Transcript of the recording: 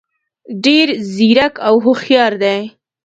ډېر ځیرک او هوښیار دي.